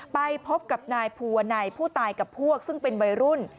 ไปพบกับนายภูวนัยผู้ตายกับพวกซึ่งเป็นวัยรุ่น